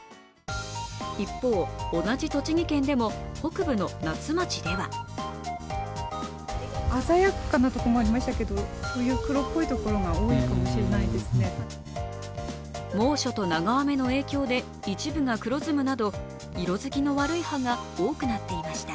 一方、同じ栃木県でも北部の那須町では猛暑と長雨の影響で、一部が黒ずむなど色づきの悪い葉が多くなっていました。